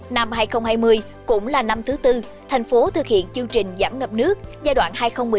năm hai nghìn hai mươi cũng là năm thứ tư thành phố thực hiện chương trình giảm ngập nước giai đoạn hai nghìn một mươi sáu hai nghìn hai mươi